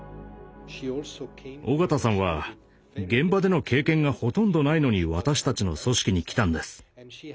緒方さんは現場での経験がほとんどないのに私たちの組織に来たんです。